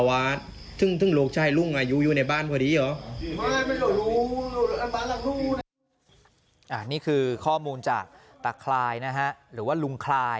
อันนี้คือข้อมูลจากตาคลายนะฮะหรือว่าลุงคลาย